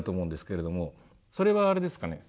それはあれですかね。